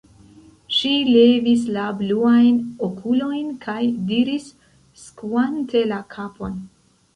Ŝi levis la bluajn okulojn kaj diris, skuante la kapon: